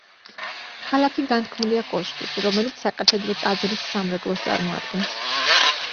ქალაქი განთქმულია კოშკით, რომელიც საკათედრო ტაძრის სამრეკლოს წარმოადგენს.